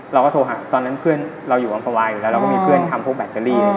เราก็โทรหาตอนนั้นเพื่อนเราอยู่อำภาวาอยู่แล้วเราก็มีเพื่อนทำพวกแบตเตอรี่